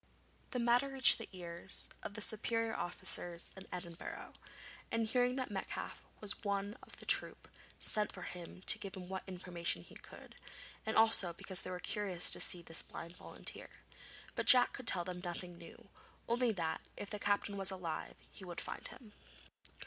The matter reached the ears of the superior officers in Edinburgh, and, hearing that Metcalfe was one of the troop, sent for him to give them what information he could, and also because they were curious to see this blind volunteer. But Jack could tell them nothing new; only that, if the captain was alive, he would find him.